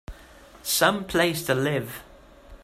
Some place to live!